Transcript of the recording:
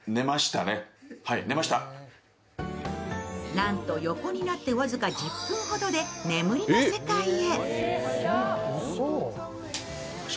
なんと横になって僅か１０分ほどで眠りの世界へ。